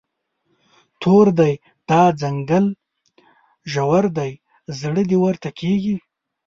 تور دی، دا ځنګل ژور دی، زړه دې ورته کیږي